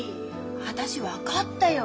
私分かったよ。